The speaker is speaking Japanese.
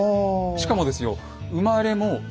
しかもですよ